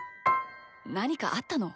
なにかあったの？